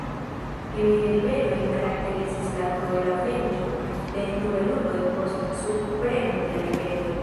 Tiujn ribelojn karakterizis la kruela venĝo de nobeluloj post subpremo de la ribeloj.